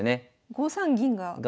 ５三銀が。